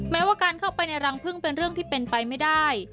แม้ว่าการเข้าไปในรังพึ่งเป็นเรื่องที่เป็นไปไม่ได้